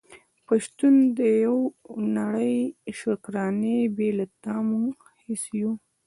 په شتون د يوه نړی شکرانې بې له تا موږ هيڅ يو ❤️